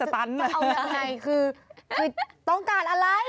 เอายังไงคือต้องการอะไร